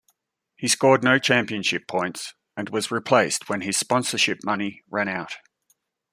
He scored no championship points, and was replaced when his sponsorship money ran out.